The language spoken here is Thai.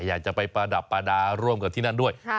อยากจะไปประดับประดาร่วมกับที่นั่นด้วย